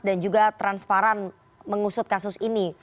dan juga transparan mengusut kasus ini